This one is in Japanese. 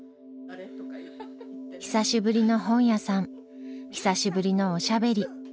久しぶりの本屋さん久しぶりのおしゃべり。